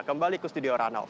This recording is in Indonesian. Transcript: kembali ke studio rano